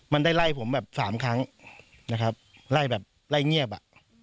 มันได้ไล่ผมแบบสามครั้งนะครับไล่แบบไล่เงียบอ่ะ